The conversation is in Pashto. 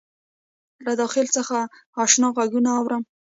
له داخل څخه آشنا غــــــــــږونه اورم